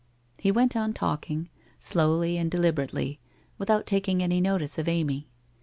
He went on talking, slowly and deliberately, without taking any notice of Amy.